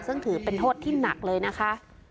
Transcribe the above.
ซึ่งถือเป็นโทษที่หนักเลยนะคะ